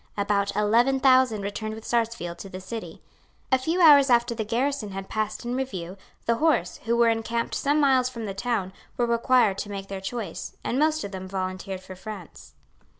About eleven thousand returned with Sarsfield to the city. A few hours after the garrison had passed in review, the horse, who were encamped some miles from the town, were required to make their choice; and most of them volunteered for France.